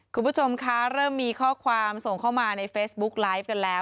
คุณผู้ชมคะเริ่มมีข้อความส่งเข้ามาในเฟซบุ๊กไลฟ์กันแล้ว